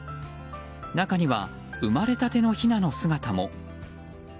中には、生まれたてのひなの姿も。